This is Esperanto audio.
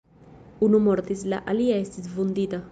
Unu mortis, la alia estis vundita.